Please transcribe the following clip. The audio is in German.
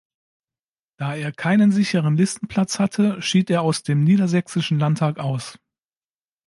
Da er keinen sicheren Listenplatz hatte, schied er aus dem Niedersächsischen Landtag aus.